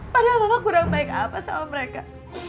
padahal bapak kurang baik apa sama mereka